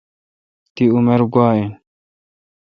تی عمر گوا این۔